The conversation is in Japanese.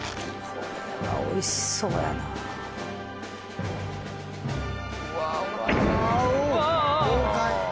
これはおいしそうやなあ豪快！